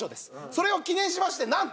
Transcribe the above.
それを記念しましてなんと。